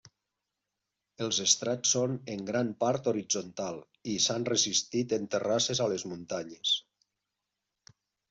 Els estrats són en gran part horitzontal, i s'han resistit en terrasses a les muntanyes.